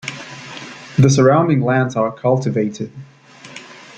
The surrounding lands are cultivated.